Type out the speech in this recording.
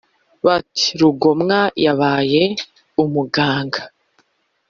bati : rugomwa yabaye umugaga